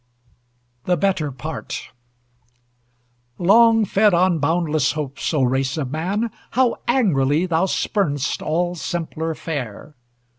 THE BETTER PART Long fed on boundless hopes, O race of man, How angrily thou spurn'st all simpler fare!